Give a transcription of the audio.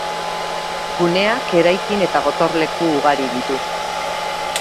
Guneak eraikin eta gotorleku ugari ditu.